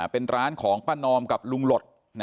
เป็นร้านของป้านอมกับลุงหลด